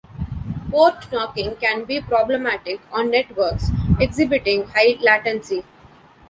Port knocking can be problematic on networks exhibiting high latency.